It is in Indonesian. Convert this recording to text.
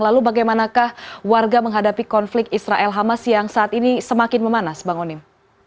lalu bagaimanakah warga menghadapi konflik israel hamas yang saat ini semakin memanas bang onim